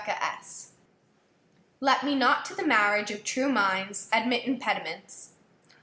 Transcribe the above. CXVI Let me not to the marriage of true minds Admit impediments.